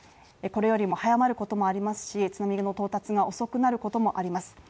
これよりも早まることもありますし、津波の到達が遅くなることもあります。